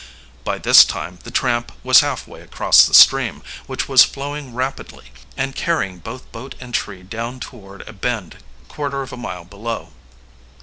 By this time the tramp was halfway across the stream, which was flowing, rapidly and carrying both boat and tree down toward a bend quarter of a mile below.